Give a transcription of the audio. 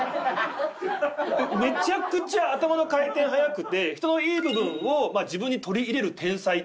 めちゃくちゃ頭の回転速くて人のいい部分を自分に取り入れる天才っていうか。